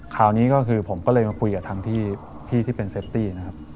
คราวนี้ก็คือผมก็เลยมาคุยกับทางพี่ที่เป็นเซฟตี้นะครับ